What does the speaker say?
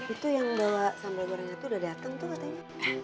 itu yang bawa sambal goreng itu udah datang tuh katanya